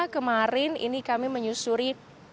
kemarin ini kami menyusuri